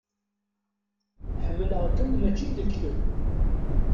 Ḥemmleɣ-kem mačči d lekdeb.